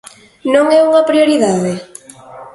Non é unha prioridade?